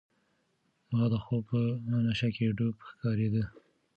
ملا د خوب په نشه کې ډوب ښکارېده.